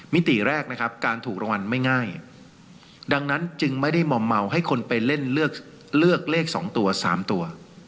ติแรกนะครับการถูกรางวัลไม่ง่ายดังนั้นจึงไม่ได้มอมเมาให้คนไปเล่นเลือกเลข๒ตัว๓ตัว